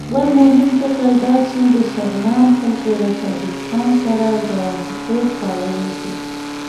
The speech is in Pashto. بل مهم ټکی دا چې د شغنان خلکو له تاجکستان سره ګاونډیتوب پاللی دی.